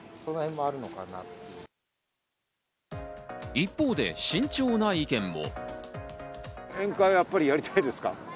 一方で、慎重な意見も。